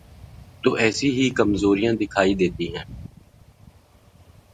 تو ایسی ہی کمزوریاں دکھائی دیتی ہیں۔